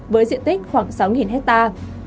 với diện tích khoảng sáu hectare